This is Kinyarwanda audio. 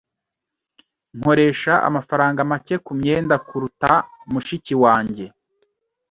Nkoresha amafaranga make kumyenda kuruta mushiki wanjye.